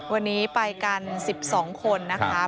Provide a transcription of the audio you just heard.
วันนี้ไปกัน๑๒คนนะคะ